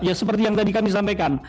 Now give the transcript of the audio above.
ya seperti yang tadi kami sampaikan